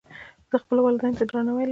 زه خپلو والدینو ته درناوی لرم.